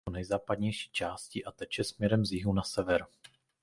Dunaj křižuje okres v jeho nejzápadnější části a teče směrem z jihu na sever.